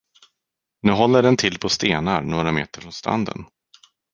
Nu håller den till på stenar några meter från stranden.